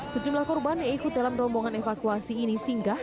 sejumlah korban yang ikut dalam rombongan evakuasi ini singgah